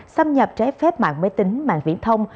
xâm nhập trái phép mạng máy tính mạng viễn thông